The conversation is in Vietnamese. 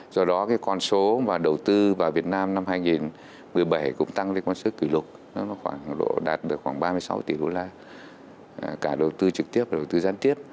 do đó cái con số mà đầu tư vào việt nam năm hai nghìn một mươi bảy cũng tăng lên con số kỷ lục khoảng độ đạt được khoảng ba mươi sáu tỷ đô la cả đầu tư trực tiếp và đầu tư gián tiếp